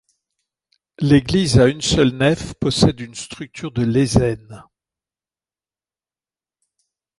L'église à une seule nef possède une structure de lésène.